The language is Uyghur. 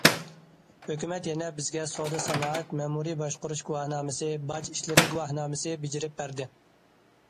ھۆكۈمەت يەنە بىزگە سودا سانائەت مەمۇرىي باشقۇرۇش گۇۋاھنامىسى، باج ئىشلىرى گۇۋاھنامىسى بېجىرىپ بەردى.